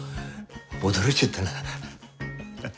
驚いちゃったなハハ。